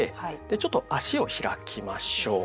ちょっと足を開きましょう。